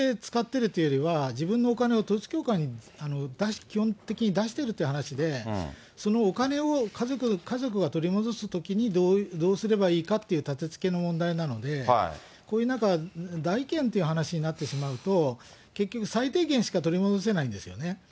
自分で使ってるというよりは、自分のお金を統一教会に基本的に出してるって話で、そのお金を家族が取り戻すときにどうすればいいかっていうたてつけの問題なので、こういう、なんか、代位権っていう話になってしまうと、結局、最低限しか取り戻せないんですよね。